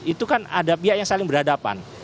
itu kan ada pihak yang saling berhadapan